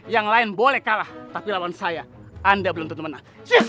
yang lain boleh kalah tapi lawan saya anda belum tentu menang